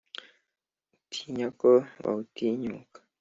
Utinya ko bawutinyuka